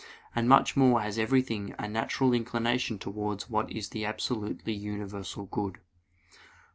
And much more has everything a natural inclination towards what is the absolutely universal good.